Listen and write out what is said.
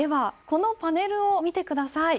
このパネルを見て下さい。